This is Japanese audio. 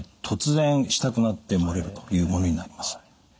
突然したくなって漏れるというものになります。